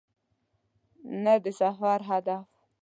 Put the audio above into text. نه د سفر هدف .